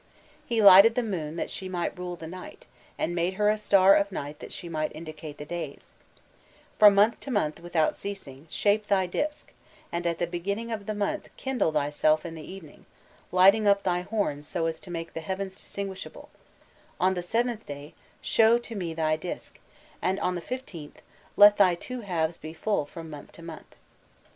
"He lighted the moon that she might rule the night, and made her a star of night that she might indicate the days: 'From month to month, without ceasing, shape thy disk, and at the beginning of the month kindle thyself in the evening, lighting up thy horns so as to make the heavens distinguishable; on the seventh day, show to me thy disk; and on the fifteenth, let thy two halves be full from month to month.